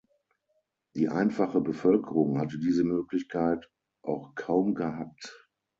Die einfache Bevölkerung hatte diese Möglichkeit auch kaum gehabt.